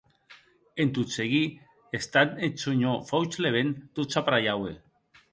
En tot seguir estant eth senhor Fauchelevent, tot s’apraiaue.